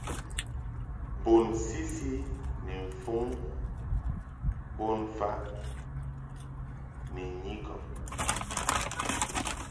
Bun sisi ni mfuŋ bonfaʼ ni nyikɔb.